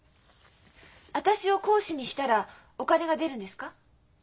私を講師にしたらお金が出るんですか？